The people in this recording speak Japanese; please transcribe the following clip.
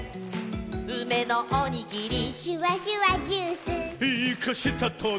「うめのおにぎり」「シュワシュワジュース」「イカしたトゲ」